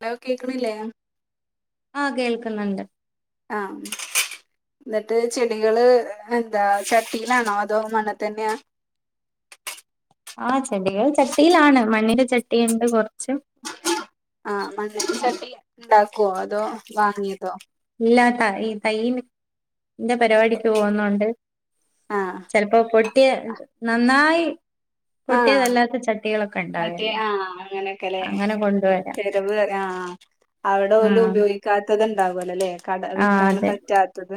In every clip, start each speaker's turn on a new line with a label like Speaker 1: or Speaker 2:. Speaker 1: Law കേക്ക്ണില്ലേ?
Speaker 2: ആ കേൾക്ക്ന്ന്ണ്ട്.
Speaker 1: ആഹ് ന്നട്ട് ചെടികള് എന്താ ചട്ടിയിലാണോ അതോ മണ്ണ് തന്നെയാ? [inaudible]
Speaker 2: ആ ചെടികൾ ചട്ടിയിലാണ് മണ്ണിന്റെ ചട്ടിയുണ്ട് കൊർച്ച്
Speaker 1: ആ [unintelligible] ചട്ടി ണ്ടാക്കോ അതോ വാങ്ങിയതോ
Speaker 2: ഇല്ലാത്ത ഈ തയ്യിന് ന്റെ പരിവാടിക്ക് പോഹുന്നുണ്ട്
Speaker 1: ആഹ്
Speaker 2: ചെൽപ്പോ പൊട്ടിയ നന്നായി
Speaker 1: [unintelligible] ആ
Speaker 2: പൊട്ടിയതല്ലാത്ത ചട്ടികളൊക്കെ
Speaker 1: മറ്റേ
Speaker 2: ഉണ്ടാവല്ലോ
Speaker 1: ആ അങ്ങനൊക്കെല്ലേ
Speaker 2: അങ്ങനെ കൊണ്ടുവരാം
Speaker 1: ചെലവ് ആ അവടോല്
Speaker 2: ആഹ്
Speaker 1: ഉപയോഗിക്കാത്തത്ണ്ടാവുല്ലോല്ലെ കട വിക്കാൻ പറ്റാത്തത്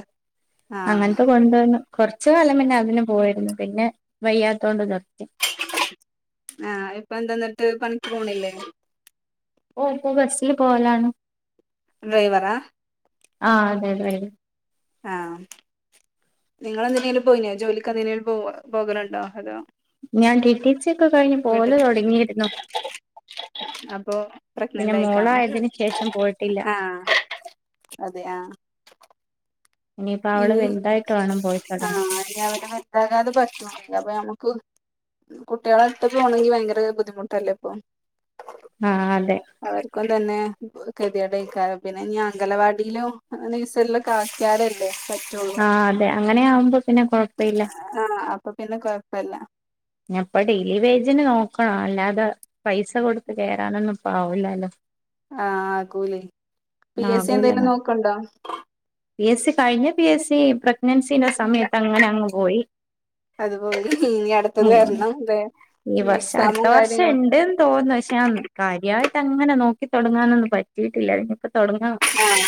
Speaker 1: ആഹ്
Speaker 2: അങ്ങൻത്തെ കൊണ്ടുവന്ന് കൊർച്ച് കാലം പിന്നെ അതിന് പോയിരുന്നു പിന്നെ വയ്യാത്തോണ്ട് നി
Speaker 1: ആഹ് ഇപ്പൊ എന്തന്നിട്ട് പണിക്ക് പോണില്ലേ?
Speaker 2: ഓ പ്പൊ ബസില് പോവലാണ്
Speaker 1: ഡ്രൈവറാ
Speaker 2: ആഹ് അതെ തെ അയ്ല്
Speaker 1: ആ നിങ്ങളെന്തിനേലും പോയിനോ ജോലിക്ക് എന്തിനേലും പോകോ പോകല്ണ്ടോ അതോ
Speaker 2: ഞാൻ റ്റി റ്റി സി ഒക്കെ കഴിഞ്
Speaker 1: വീട്ടിൽ
Speaker 2: പോവല് തൊടങ്ങിര്ന്നു
Speaker 1: അപ്പൊ പ്രഗ്നന്റ് ആയി കാണും
Speaker 2: മോളായതിന് ശേഷം പോയിട്ടില്ല
Speaker 1: ആ അതെ ആ
Speaker 2: ഇനിയിപ്പോ അവള്
Speaker 1: ഇനി
Speaker 2: വലുതായിട്ട് വേണം പോയി
Speaker 1: ആ
Speaker 2: തുടങ്ങാൻ
Speaker 1: അ അ [unintelligible] അപ്പൊ മ്മ കു കുട്ടിളെ ട്ട് പോണങ്കി ഭയങ്കര ബുദ്ധിമുട്ടല്ലേ ഇപ്പൊ?
Speaker 2: ആഹ് അതെ
Speaker 1: അവർക്കും തന്നെ കെതിയേടെക്കാരം പിന്നെ ഇനി അംഗലവാടിലോ നേഴ്സറിലൊക്കെ ആക്ക്യാലല്ലേ പറ്റൂ ള്ളു
Speaker 2: ആഹ് അതെ അങ്ങനെ ആവുമ്പോ പിന്നെ കൊഴപ്പയില്ല
Speaker 1: ആഹ അപ്പൊ പിന്നെ കൊഴപ്പല്ല
Speaker 2: ഞാൻ പ്പൊ ഡെയിലി വേജിന് നോക്കണോ അല്ലാതെ പൈസ കൊടുത്ത് കേയറാനൊന്നുംപ്പോ ആവൂല്ലല്ലോ
Speaker 1: ആഹ ആ കൂലി പി എസ് സി
Speaker 2: ആകൂല
Speaker 1: എന്തെലും നോക്കണ്ടോ
Speaker 2: പി എസ് സി കഴിഞ്ഞ പി എസ് സി പ്രെഗ്നന്റ് സീന്റെ സമയത്ത് അങ്ങനെ അങ്ങ് പോയി
Speaker 1: അതുപോലെ ഇനി അടുത്തത്
Speaker 2: ഉ
Speaker 1: വരണം അതെ
Speaker 2: ഈ വർഷം അടുത്ത
Speaker 1: എക്സാമും
Speaker 2: വർഷം
Speaker 1: കാര്യങ്ങളും
Speaker 2: ഉണ്ട്ന്ന് തോന്നു പക്ഷേ ഞാൻ കാര്യമായി ട്ടങ്ങനെ നോക്കി തുടങ്ങാാനൊന്നും പറ്റിട്ടില്ല നിങ്ങക്ക് തുടങ്ങാം
Speaker 1: ആഹ്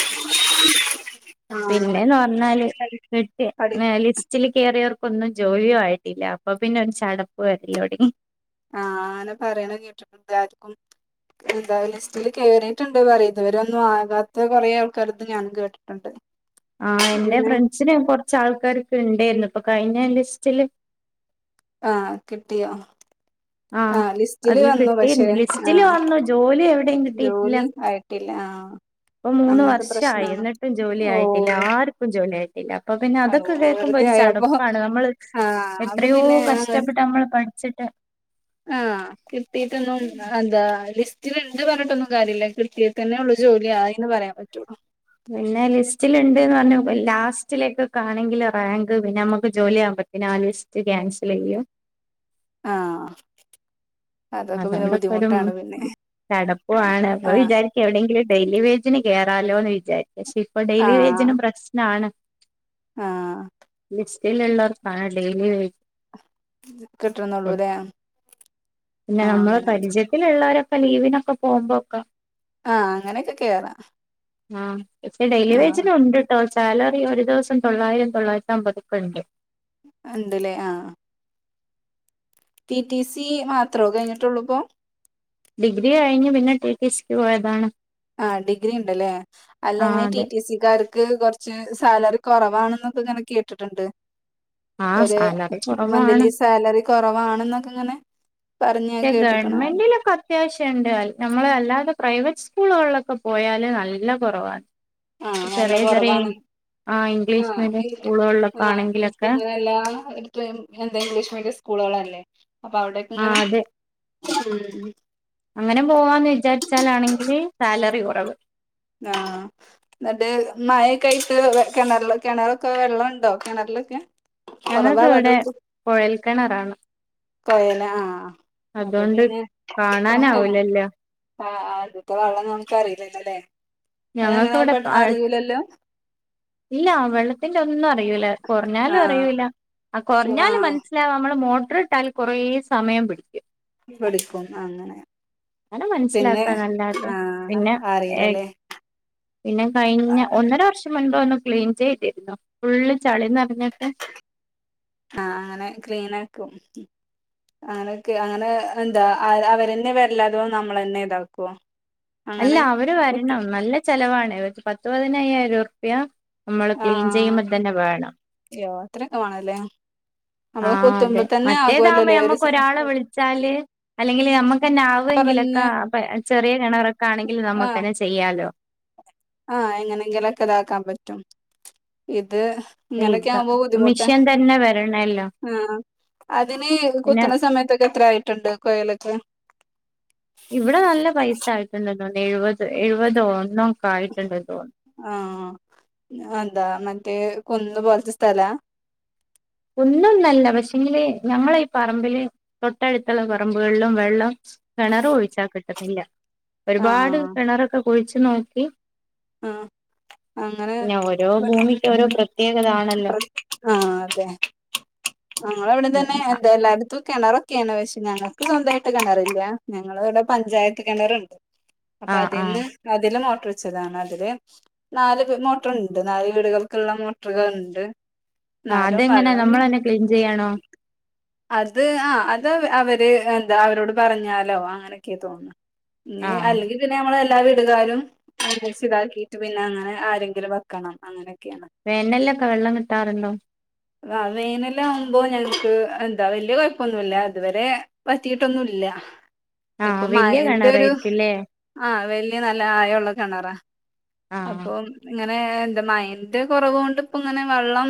Speaker 1: ആഹ്
Speaker 2: പിന്നെന്ന് പറഞ്ഞാല് കട്ട്
Speaker 1: പഠി
Speaker 2: ലിസ്റ്റില് കയറിയർ ഒന്നും ജോലിയും ആയിട്ടില്ല അപ്പൊ പിന്നെ ഒരു ചടപ്പ് വരില്ലോങ്ങി
Speaker 1: ആഹ അനെ പറയണ കേട്ടിട്ടുണ്ട് ആർക്കും എന്താ ലിസ്റ്റില് കേയറിയിട്ടുണ്ട് പറ ഇതുവരെ ഒന്നും ആകാത്ത കൊറെേ ആൾക്കാര ഇത് ഞാനും കേട്ടിട്ടുണ്ട്
Speaker 2: ആഹ എന്റെ
Speaker 1: പിന്നെ
Speaker 2: ഫ്രണ്ട്സിന് കൊറച്ച ആൾക്കാരൊക്കെ ഉണ്ടർന്നു അപ്പൊ കഴിഞ്ഞ ലിസ്റ്റില്
Speaker 1: ആഹ കിട്ടിയോ
Speaker 2: ആഹ്
Speaker 1: ആഹ ലിസ്റ്റില്
Speaker 2: അതില്
Speaker 1: വന്നു പക്ഷെ
Speaker 2: കിട്ടിയിരുന്നു ലിസ്റ്റില്
Speaker 1: ആഹ
Speaker 2: വന്നു ജോലി എവിടെയും കിട്ടിയിട്ടില്ല
Speaker 1: ജോലി ആയിട്ടേ അല്ല ആ
Speaker 2: ഇപ്പൊ മൂന്ന് വർഷയി എന്നിട്ടും ജോലി ആയിട്ടില്ല
Speaker 1: ഓഹ്
Speaker 2: ആർക്കും ജോലിയയിട്ടല്ല ല്ല അപ്പൊ പിന്നെ
Speaker 1: അള്ളോ
Speaker 2: അതൊക്കെ കേൾക്കുമ്പോ
Speaker 1: വെറുതെ
Speaker 2: ഒരു
Speaker 1: ആയപ്പോ
Speaker 2: ചടുപ്പാണ് നമ്മൾ
Speaker 1: ആഹ് അപ്പൊ
Speaker 2: എത്രയോ
Speaker 1: പിന്നെ
Speaker 2: കഷ്ടപ്പെട്ട് നമ്മൾ പഠിച്ചി
Speaker 1: ആഹ കിട്ടീട്ടൊന്നും എന്താ ലിസ്റ്റ് ൽ ണ്ട് പറഞ്ഞട്ട് കാര്യം ല്ല പറഞ്ഞിട്ടൊന്നും കാര്യമില്ല കിട്ടീട്ട് തന്നെള്ള ജോലി ആന്ന് പറയാൻ പറ്റുള്ളൂ
Speaker 2: പിന്നെ ലിസ്റ്റിലുണ്ട്ന്ന് പറഞ്ഞു ലാസ്റ്റിലേക്കെ ആണെങ്കിൽ റാങ്ക് പിന്നെ നമ്മുക്ക് ജോലിയാക പ്പത്തിനാല് ലിസ്റ്റ് ക്യാൻസൽ ചെയ്യോ
Speaker 1: ആ
Speaker 2: അതുകൊണ്ടൊക്കെ ഒരു
Speaker 1: ആഹ്
Speaker 2: ചടപ്പാണ് അപ്പ
Speaker 1: ആഹ്
Speaker 2: വിചാരിക്ക എവിടെയെങ്കിലും ഡെ ഡെി യലി വേജിന് കേയറാാലോ എന്ന് വിചാരിച്ചു പക്ഷെ ഇപ്പൊ ഡെയിലി
Speaker 1: ആഹ്
Speaker 2: വേജിനും പ്രശ്നമാണ്
Speaker 1: ആഹ്
Speaker 2: ലിസ്റ്റ് ൽ ഉള്ളോർക്കാൻ ഡെയിലി വെജ്
Speaker 1: കിട്ടണന്നള്ളൂ അല്ലേ
Speaker 2: പിന്നെ നമ്മള് പരിചയത്തിലൽുള്ളവരൊക്കെ ലീവിനൊക്കെ പോകുമ്പോൊക്കെ
Speaker 1: ആഹ അങ്ങനെയൊക്കെ കേെയറാ
Speaker 2: ആഹ പക്ഷേ ഡെലി വേജില ഉണ്ട് ട്ടോ സാലറി ഒരു ദിവസം തൊള്ളായിരം തൊള്ളായിരത്തി അമ്പതക്ക ഉണ്ട്
Speaker 1: ണ്ടലെ ആഹ് പി ടി സി മാത്രോ കഴിഞ്ഞിട്ടുള്ളൂ ഇപ്പൊ
Speaker 2: ഡിഗ്രി കഴഞ്ഞഞ് പിന്നെ ടി ടി സക്ക് പോയതാണ്
Speaker 1: ആ ഡിഗ്രി ഉണ്ടല്ലേ അല്ല
Speaker 2: ആഹ്
Speaker 1: അങ്ങനെ
Speaker 2: അതെ
Speaker 1: ടിറ്റടി സിക്കാർ ക്ക് കുറച്ച് സാലറി കുറവാണെന്നൊക്കെ ഇങ്ങനെ കേട്ടിട്ടുണ്ട്
Speaker 2: ആഹ്
Speaker 1: ഒരു
Speaker 2: സാലറി കുറവാണ്
Speaker 1: മന്ത്ലി സാലറി കുറവാണെന്നൊക്കെ ഇങ്ങനെ പറഞ്ഞ് ഞാൻ കേട്ട്ക്ക്ണ്
Speaker 2: ഗവൺമെന്റിലൊക്കെ അത്യാവശ്യ ഉണ്ട്ൽ നമ്മളല്ലാതെെ പ്രൈവറ്റ് സ്കൂളുകളിലൊക്കെ പോയാല് നല്ല കുറവാണ്
Speaker 1: ആഹ് നല്ല
Speaker 2: ചെറിയ ചെറിയ
Speaker 1: കുറവാണ്
Speaker 2: ആഇമ് ഗ്ലിഷ് മീഡിയം സ്കൂളുകൾ
Speaker 1: ആഹ ഇപ്പൊ ഇങ്ങനെ എല്ലാ ഇത്ത എന്താ ഇംഗ്ലീഷ് മീഡിയം സ്കൂളുകളൾല്ലേ അപ്പൊ അവിടെക്കെ
Speaker 2: ആ
Speaker 1: ഇങ്ങെ
Speaker 2: അതെ അങ്ങനെ പോവാന്ന് വിചാരിച്ചാലാണെങ്കില് സാലറി കുറവ്
Speaker 1: ആഹ എന്നട്ട് മഴക്ക ആയിട്ട് കിണറില കിണറൊക്കെ വെള്ളംുണ്ടോ കിണറി അല്ലൊക്ക
Speaker 2: ഞങ്ങത് ഇവിടെ കുഴൽക്കിണറാണ്
Speaker 1: കൊയല ആഹ അപ്പൊ പിന്നെ ആഹ
Speaker 2: കാണാനാവൂലല്ലോ
Speaker 1: അദ്യത്തെ വെള്ളംന്ന് നമുക്ക്റിയില്ലല്ലല്ലേ അത
Speaker 2: ഞങ്ങൾക്ക് ഇവിടെ
Speaker 1: അങ്ങനെയാ അറിയിലല്ലോ
Speaker 2: ഇല്ല വെള്ളത്തിറെ ഒന്നും അറിയിൂല്ല കുറഞ്ഞാലും
Speaker 1: ആഹ്
Speaker 2: അറിൂല്ല ആ കുറഞ്ഞാലും
Speaker 1: ആഹ്
Speaker 2: മനസ്സിലാവ നമ്മള് മോട്ടറി ഇട്ടാൽ കൊറ സമയം പിടിക്കും
Speaker 1: പഠിക്കും അങ്ങനെ
Speaker 2: അങ്ങനെ
Speaker 1: പിന്നെ
Speaker 2: മനസ്സിലാക്കാ നല്ലാതെ
Speaker 1: ആഹ്
Speaker 2: പിന്നെ ഏർ
Speaker 1: അറിയില്ലല്ലേ
Speaker 2: പിന്നെ കഴിഞ്ഞ
Speaker 1: ആഹ്
Speaker 2: ഒന്നര വർഷം മുൻപ് ഒന്ന് ക്ലീൻ ചെയ്തിരുന്നു ഫുള്ള് ചളിന്ന്
Speaker 1: ആഹ് അങ്ങനെ ക്ലീനാക്കും അങ്ങനെയൊക്കെ അങ്ങനെ എന്താ അവരെന്നെ വരില്ലാതോ നമ്മളെന്നെ ഇതാക്കുവോ
Speaker 2: അല്ല
Speaker 1: അങ്ങനെ
Speaker 2: അവര് വരണം നല്ല ചെലവാണ് ഇത് പത്തു പതിനയ്യായിരം റുപ്യ നമ്മള് ക്ലീൻ ചെയ്യുമ്പോൾ തന്നെ വേണം
Speaker 1: എത്രൊക്കെ വേണല്ലേ നമ്മള്
Speaker 2: ആഹ് അതെ
Speaker 1: കുത്തുമ്പോ തന്നെ
Speaker 2: മറ്റേതാകുമ്പോൾ
Speaker 1: ആകുവല്ലോല്ലേ ഒരു
Speaker 2: നമ്മക്ക്
Speaker 1: സ-
Speaker 2: ഒരാളെ വിളിച്ചാല് അല്ലെങ്കില് നമ്മുക്ക് തന്നെ ആവുങ്കിൽ
Speaker 1: പറഞ്ഞ്
Speaker 2: ക്കെ ചെറിയ കിണറൊക്കെ ആണെങ്കിൽ
Speaker 1: ആഹ്
Speaker 2: നമുക്ക്ന്നെ ചെയ്യാലോ
Speaker 1: ആഹ് എങ്ങനെങ്കിലൊക്കെ ഇതാക്കാൻ പറ്റും ഇ അത് ഇങ്ങനൊക്കെ
Speaker 2: ഇതാ
Speaker 1: ആവുമ്പോ ബുദ്ധിമുട്ടാ
Speaker 2: മിഷ്യൻ തന്നെ വരണല്ലോ
Speaker 1: ആഹ് അതിന്
Speaker 2: പിന്നെ
Speaker 1: കുത്തണ സമയത്തൊക്കെ എത്ര ആയിട്ടുണ്ട് കൊയലൊക്കെ
Speaker 2: ഇവിടെ നല്ല പൈസ ആയിട്ടുണ്ടോന്ന് എഴുപത് എഴുപതോ ഒന്നോ കായിട്ടുണ്ടന്ന് തോന്നുന്നു
Speaker 1: ആഹ് എന്താ മറ്റേ കുന്ന് പോലത്തെ സ്ഥലാ
Speaker 2: കുന്ന് ഒന്നുംന്നല്ല പക്ഷെങ്കില് ഞങ്ങള ഈ പറമ്പില് തൊട്ടടുത്തുള്ള പറമ്പുകളിലും വെള്ളം കിണർ കുഴിച്ചാ കിട്ടുന്നില്ല ഒരുപാട്
Speaker 1: ആഹ്
Speaker 2: കിണറൊക്കെ കുഴിച്ചു നോക്കി
Speaker 1: ആഹ് അങ്ങനെ
Speaker 2: പിന്ന ഓരോ ഭൂമിക്ക് ഓരോ പ്രത്യേ
Speaker 1: ആ അതെ ഞങ്ങളെ ഇവിടെ തന്നെ എന്താ എല്ലായിടത്തും കിണറൊക്കെയാണ് പക്ഷേ ഞങ്ങൾക്ക് സ്വന്തമായിട്ട് കിണറില്ല ഞങ്ങളെ ഇവിടെ പഞ്ചായത്ത് കിണറുണ്ട് അപ്പൊ
Speaker 2: ആഹ് ആഹ്
Speaker 1: അതിന്ന് അതിൽ മോ മോട്ടർ വെച്ചതാണ് അതില് നാല് മോട്ടറുണ്ട് നാല് വീടുകൾക്കുള്ള മോട്ടറുകൾ ഇണ്ട്
Speaker 2: ആഹ്
Speaker 1: ന്നാലും
Speaker 2: അതെങ്ങനെ
Speaker 1: വെള്ളം
Speaker 2: നമ്മളന്നെ ക്ലീൻ ചെയ്യാണോ
Speaker 1: അത് ആ അത് അവര് എന്താ അവരോട് പറഞ്ഞാലോ അങ്ങനെയൊക്കെയ തോന്നുന്നു ഇ
Speaker 2: ആഹ്
Speaker 1: അല്ലെങ്കിൽ പിന്നെ നമ്മള് എല്ലാവരും കാരും മിക്സിടാക്കിട്ട് പിന്നെ അങ്ങനെ ആരെങ്കിലും വെക്കണം അങ്ങനെ
Speaker 2: വേനല്ലൊക്കെ വെള്ളം കിട്ടാറുണ്ടോ
Speaker 1: വേനൻ ആവുമ്പോ ഞങ്ങക്ക് എന്താ വലിയ കുഴപ്പൊന്നുല്ല ഇതുവരെ പറ്റിട്ടൊന്നും ഇല്ല
Speaker 2: ആഹ്
Speaker 1: ഇപ്പൊ
Speaker 2: വല്യ
Speaker 1: മഴൻ്റെ ഒരു
Speaker 2: കിണറായിരിക്കുംല്ലേ
Speaker 1: ആ വല്യ നല്ല ആഴം ഉള്ള കിണറാ
Speaker 2: ആഹ്
Speaker 1: അപ്പോ നിങ്ങ അങ്ങനെ എന്താ മഴൻ്റെ കുറവ് കൊണ്ട് ഇപ്പ ഇങ്ങനെ വെള്ളം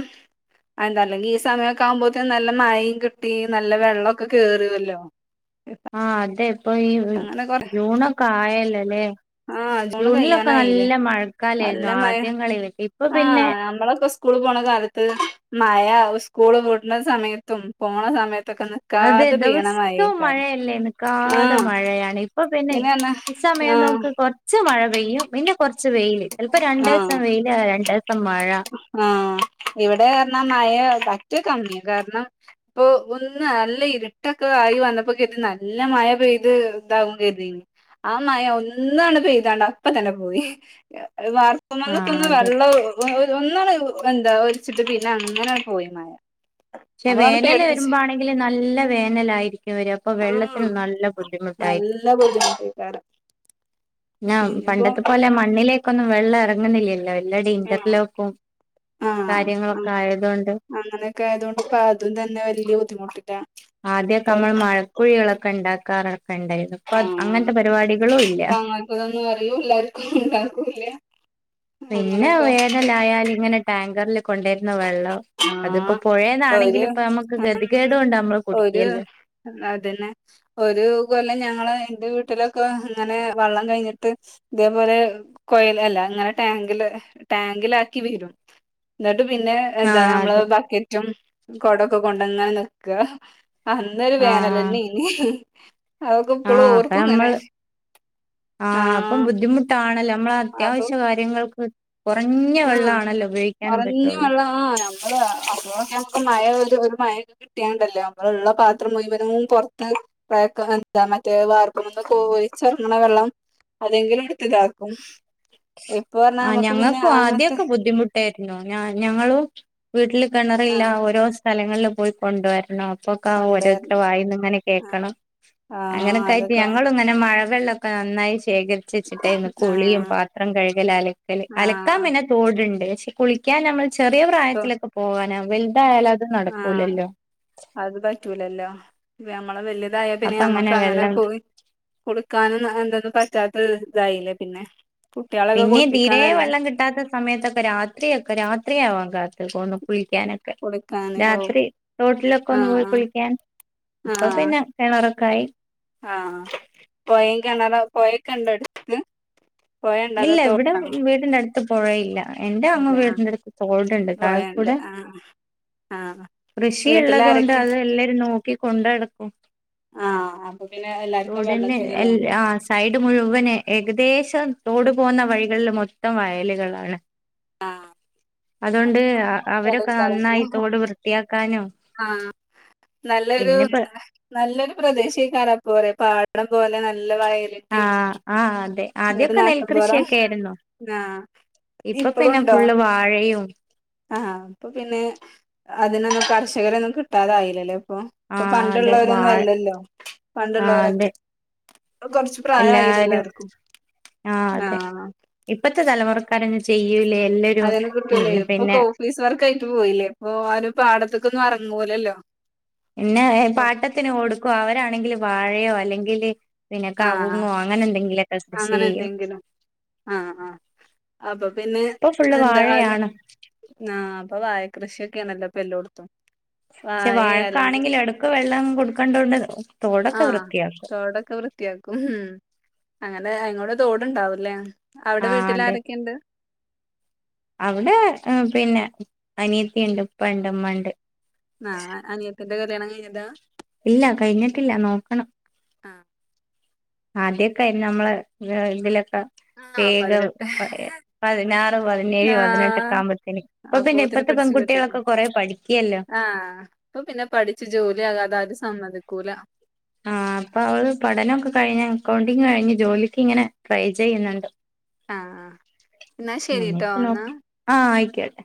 Speaker 1: അന്താ അല്ലെങ്കിൽ ഈ സമയമൊക്കെ ആകുമ്പോഴത്തേ നല്ല മഴയും കിട്ടി നല്ല വെള്ളമൊക്കെ കേറുവല്ലോ
Speaker 2: ആ അതെ ഇപ്പൊ ഈ
Speaker 1: അങ്ങനെ കൊറ
Speaker 2: ജൂണൊക്കെ ആയല്ലോല്ലേ
Speaker 1: ആ ജൂണ്
Speaker 2: ജൂണിലൊക്കെ
Speaker 1: കഴിയാനായില്ലേ
Speaker 2: നല്ല മഴക്കാലായിരുന്നു
Speaker 1: നല്ല മഴ
Speaker 2: ആദ്യം കളിൽ ഇപ്പൊ പിന്നെ
Speaker 1: സ്കൂൾ പോണ കാലത്ത് മഴ സ്കൂൾ വിടണ സമയത്തും പോണ സമയത്തും
Speaker 2: അതെ ദിവസവും മഴയല്ലേ നിക്കാതെ
Speaker 1: ആഹ്
Speaker 2: മഴ മഴയാണ് ഇപ്പൊ പിന്നെ ഈ സമയം
Speaker 1: ആഹ്
Speaker 2: നമുക്ക് കുറച്ച് മഴ പെയ്യും പിന്നെ കുറച്ച് പെയ്യു
Speaker 1: ആ
Speaker 2: ദിവസം മഴ
Speaker 1: ആ ഇവിടെ പറഞ്ഞാ മഴയെ പ റ്റ കമ്മിയാണ് കാരണം ഇപ്പൊ ഒന്ന് നല്ല ഇരുട്ടൊക്കെ ആയി വന്നപ്പോ കരുതി നല്ല മഴ ത് ഇതാവും കരുതിന് ആ മഴഒന്നാണ് പെയ്താണ്ട് അപ്പ തന്നെ പോയി
Speaker 2: ആഹ്
Speaker 1: വാർപ്പുമന്നക്കൊന്ന്
Speaker 2: അതെ
Speaker 1: വെള്ളം ഒന്നള് ഉണ്ട് ഇത വരിച്ചിട്ട് പിന്നെ അങ്ങനെ പോയി മഴ
Speaker 2: പക്ഷെ
Speaker 1: നമ്മളാണ്ട്
Speaker 2: വേനൽ
Speaker 1: പേടിപ്പിച്ച്
Speaker 2: വരുമ്പോ ആണെങ്കിൽ നല്ല വേനലായിയിരിക്കും വര അപ്പൊ
Speaker 1: ആഹ്
Speaker 2: വെള്ളത്തിനും നല്ല ബുദ്ധിമുട്ട
Speaker 1: നല്ല ബുദ്ധിമുട്ടിക്കാറാ
Speaker 2: ഞാ പണ്ടത്തെ പോലെ മണ്ണിലേക്കൊന്നും വെള്ളം ഇറങ്ങുന്നില്ലല്ലോ
Speaker 1: ആ ആ
Speaker 2: കാര്യങ്ങളൊക്കെ
Speaker 1: ങ്ങനെ
Speaker 2: ആയതുകൊണ്ട്
Speaker 1: അങ്ങനെയൊക്കെ ആയതു കൊണ്ട് അതും തന്നെ വലിയ ബുദ്ധിമുട്ടിലാ
Speaker 2: ആദ്യമൊക്കെ നമ്മൾ മഴക്കുഴികളൊക്കെ ഇണ്ടാക്കാറ കണ്ടായിരുന്നു അപ്പൊ
Speaker 1: ആഹ്
Speaker 2: അങ്ങനത്തെ പരിപാടികളും ഇല്ല
Speaker 1: അപ്പൊ അങ്ങനത്തതൊന്നും അറിയൂല്ലാർക്കും ഉണ്ടാക്കൂല്ല
Speaker 2: പിന്നെ
Speaker 1: അങ്ങനെയൊക്കെ
Speaker 2: വേനലായാലിങ്ങനെ ടാങ്കറിൽ കൊണ്ടേര്ന്ന വെള്ളം അത്പ്പോ
Speaker 1: ആഹ് ഒരു
Speaker 2: പുഴേന്നാണെങ്കിലിപ്പൊ നമ്മക്ക് ഗതികേട് കൊണ്ട് നമ്മള് കുടിക്യാല്ലേ
Speaker 1: ഒര് കൊല്ലം ഞങ്ങൾ ന്റെ വീട്ടിലൊക്കെ ഇങ്ങനെ വെള്ളം കഴിഞ്ട്ട് ഇതേപോലെ കൊയിൽ അല്ല അങ്ങനെ ടാങ്കില് ട്ടാങ്കിലാക്കി വെരും ന്ന്ട്ട് പിന്നെ എന്താ
Speaker 2: ആഹ്
Speaker 1: നമ്മള്
Speaker 2: അതെ
Speaker 1: ബക്കറ്റും കൊടൊക്കെ കൊണ്ടങ്ങനെ ന്ക്ക അന്നൊര് വേനലന്നേനി അതൊക്കെ
Speaker 2: ആ
Speaker 1: ഇപ്പളും
Speaker 2: അപ്പ
Speaker 1: ഓർക്കും ഇങ്ങനെ
Speaker 2: നമ്മള് ആ അപ്പം
Speaker 1: ആഹ്
Speaker 2: ബുദ്ധിമുട്ടാണല്ലോ നമ്മളെ അത്യാവശ്യ കാര്യങ്ങൾക്ക് കുറഞ്ഞ
Speaker 1: ആ
Speaker 2: വെള്ളാണല്ലോ ഉപയോഗിക്കാനും
Speaker 1: കൊറഞ്ഞ
Speaker 2: പറ്റുള്ളൂ
Speaker 1: വെള്ള ആ അപ്പൊക്കെ നമ്മക്ക് മഴ മഴൊക്കെ കിട്ട്യാണ്ടല്ലേ നമ്മളെള്ള പാത്രം മുയ് വനും പൊർത്ത് പ്രക്ക എന്താ മറ്റേ വാർപ്പ്മ്മന്നൊക്കെഒലിച്ചെറങ്ങ് ണ വെള്ളം അതെങ്കിലും ഇട്ത്ത്കാക്കും ഇപ്പൊ പറഞ്ഞാമ്മക്ക്
Speaker 2: ആദ്യോക്കെ ബുദ്ധിമുട്ടായിര്ന്നു. ഞ ഞങ്ങളും വീട്ടില് കെണറില്ല.
Speaker 1: ആഹ്
Speaker 2: ഓരോരോ സ്ഥലങ്ങളില് പോയി കൊണ്ട് വരണം. പ്പൊക്ക
Speaker 1: ഉണ്ട്
Speaker 2: ഓരോര്ത്തരെ വായിന്ന് ഇങ്ങനെ കേക്കണം.
Speaker 1: ആഹ്
Speaker 2: അങ്ങനൊക്കായിറ്റ്
Speaker 1: അതൊക്കെ
Speaker 2: ഞങ്ങളുങ്ങനെ മഴവെള്ള നന്നായി ശേഖരിച്ച് വെച്ച്ട്ടേര്ന്നു കുളിയും
Speaker 1: ആഹ്
Speaker 2: പാത്രം കഴ്കല്, അലക്കല് അലക്കാൻ
Speaker 1: ആഹ്
Speaker 2: പിന്നെ തോട്ണ്ട്. പക്ഷെ കുളിക്കാൻ നമ്മള് ചെറിയ
Speaker 1: ഇപ്പൊ
Speaker 2: പ്രായത്തിലൊക്കെ പോകാനാ വൽ
Speaker 1: ആഹ് അത് പറ്റൂലല്ലോ നമ്മളെ വലുതായ പിന്നെ
Speaker 2: അപ്പൊ അങ്ങനെ
Speaker 1: ഞമ്മക്കങ്ങനെ
Speaker 2: വെള്ളം
Speaker 1: പോയി കൊട്ക്കാനും എന്ത പ റ്റാതത്ത് തായിലെ പിന്നെ കുട്ടികളൊക്കെ
Speaker 2: പിന്നീം തീരേ
Speaker 1: കുളിപ്പിക്കാനല്ല
Speaker 2: വെള്ളം കിട്ടാത്ത സമയത്തൊക്കെ രാത്രി ഒക്കെ രാത്രിയാവാൻ കാത്ത്ക്കൊന്ന കുളിക്കാനക്കെ
Speaker 1: കുളിക്കാന് ഓ
Speaker 2: രാത്രി തോട്ടിലൊക്കൊന്ന് പോയി
Speaker 1: ആഹ്
Speaker 2: കുളിക്കാൻ ഇപ്പ
Speaker 1: ആഹ്
Speaker 2: പിന്നെ കെണറൊക്കായി.
Speaker 1: ആഹ് പോയീം കെണറും പോയേക്കെണ്ടട്ത്ത്
Speaker 2: ഇല്ല ഇവിട വീടിന്റെ അട്ത്ത് പൊഴയില്ല. എന്റെ അമ്മ
Speaker 1: ഇല്ല ആഹ്
Speaker 2: വീടിന്റെ അട്ത്ത് തോട്ണ്ട് താഴ
Speaker 1: പൊയണ്ട്
Speaker 2: കൂടെ
Speaker 1: ആഹ് ആഹ്
Speaker 2: കൃഷീള്ളത്കൊണ്ട്
Speaker 1: വീട്ടിലാരൊക്കെ
Speaker 2: അത് എല്ലരും നോക്കി കൊണ്ടടക്കും.
Speaker 1: ആഹ് അപ്പൊ പിന്നെ എല്ലാർക്കും
Speaker 2: തോടിന്റെ എൽ
Speaker 1: വെള്ളത്തിന്ല്ലേ
Speaker 2: ആഹ് സൈഡ് മുഴുവനും ഏകദേശം തോട് പോന്ന വഴികളിൽ മൊത്തം വയല്കളാണ്.
Speaker 1: നല്ല
Speaker 2: അതോണ്ട് അവരൊക്കെ നന്നായി
Speaker 1: സ്ഥലേക്കാരം
Speaker 2: തോട് വൃത്തിയാക്കാനും
Speaker 1: ആഹ് നല്ലൊരു
Speaker 2: പിന്നെപ്പ
Speaker 1: നല്ലൊരു പ്രദേശേക്കാരപ്പോ പാടം അത് പോലെ നല്ല വയലിന്റീം
Speaker 2: ആഹ് ആഹ് അതെ
Speaker 1: എ [unintelligible]
Speaker 2: ആദ്യൊക്കെ
Speaker 1: നാട്ടും പൊറ
Speaker 2: നെൽകൃഷിയൊക്കെ ആയിരുന്നു
Speaker 1: ആഹ്
Speaker 2: ഇപ്പൊ പിന്നെ
Speaker 1: ഇപ്പളുണ്ടോ
Speaker 2: ഫുള്ള് വാഴയും
Speaker 1: ആഹ് ഇപ്പൊ പിന്നെ അതിനൊന്നും കർഷകരെന്നും കിട്ടാതായില്ലേ അപ്പൊ ഇപ്പൊ
Speaker 2: ആഹ് അതെ
Speaker 1: പണ്ട്ള്ളോരൊന്നും
Speaker 2: വാഴ
Speaker 1: അല്ലല്ലോ
Speaker 2: ആഹ് അതെ
Speaker 1: പണ്ട്ള്ളോരൊക്കെ പ്പ കൊറച്ച് പ്രായായീലേ
Speaker 2: എല്ലാരും
Speaker 1: എല്ലാര്ക്കും.
Speaker 2: ആഹ് അതെ ഇപ്പത്തെ തലമുറക്കാരെ [unintelligible]
Speaker 1: അതിനെ കിട്ടൂലെയ് ഇപ്പൊക്ക ഓഫീസ് വർക്ക് ആയിറ്റ് പോയില്ലേ ഇപ്പൊ ആരും പാടത്തക്കൊന്ന് അറ [unintelligible] ലല്ലോ
Speaker 2: പിന്നെ പാട്ടത്തിന് കൊട്ക്കുവാ അവരാണെങ്കില് വാഴയോ അല്ലെങ്കില് പിന്നെ
Speaker 1: ആഹ്
Speaker 2: കവുങ്ങോ അങ്ങനെ എന്തെങ്കിലൊക്കെ കൃഷി
Speaker 1: അങ്ങനെ
Speaker 2: ചെയ്യും
Speaker 1: എന്തെങ്കിലും ആഹ് ആഹ് അപ്പ പിന്നെ
Speaker 2: ഇപ്പൊ ഫുള്ള്
Speaker 1: എന്താ അത്
Speaker 2: വാഴയാണ്
Speaker 1: ആഹ് പ്പ വായ കൃഷി ഒക്കെ ആണല്ലോ എല്ലാടത്തും
Speaker 2: ക്ഷെ വാഴക്കാണെങ്കിലും എടക്ക് വെള്ളം കൊട്ക്കണ്ടോണ്ട്
Speaker 1: ആഹ് തോടൊക്കെ വൃത്തിയാക്കും. മ് അങ്ങനെ [unintelligible] തോട്ണ്ടാവുല്ലേ
Speaker 2: ആഹ് അതെ അവടെ പിന്നെ അനിയത്തീണ്ട്, പ്പണ്ട്, മ്മണ്ട്
Speaker 1: ആ അനിയത്തിന്റെ കല്യാണം കഴിഞ്ഞതാ
Speaker 2: ഇല്ല കഴിഞ്ഞിട്ടില്ല നോക്കണം
Speaker 1: ആഹ്
Speaker 2: ആദ്യൊക്കെ നമ്മള് ഇതിലൊക്കെ
Speaker 1: ആഹ്
Speaker 2: വേഗം
Speaker 1: പതിനെട്ട്
Speaker 2: പതിനാറ് പതിനേഴ് പതിനെട്ടൊക്കെ ആവുമ്പോത്തേന അപ്പൊ പിന്നെ ഇപ്പത്തെ പെങ്കു
Speaker 1: [unintelligible] ആ അപ്പൊ പിന്നെ പഠിച്ച് ജോലിയാകാതെ ആരും സമ്മതിക്കൂല
Speaker 2: ആ അപ്പൊ അവള് പഠനൊക്കെ കഴിഞ്ഞ് അക്കൗണ്ടിങ് കഴിഞ്ഞ് ജോലിക്ക് ഇങ്ങനെ ട്രൈ ചെയ്യണണ്ട്
Speaker 1: ആഹ് എന്നാ ശരിട്ടോ എന്നാ
Speaker 2: [unintelligible] ആ ആയ്ക്കോട്ടെ